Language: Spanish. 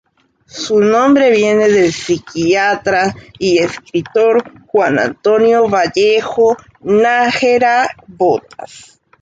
Su nombre viene del psiquiatra y escritor Juan Antonio Vallejo-Nágera Botas.